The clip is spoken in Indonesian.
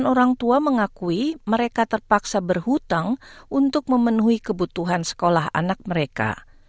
orang tua mengakui mereka terpaksa berhutang untuk memenuhi kebutuhan sekolah anak mereka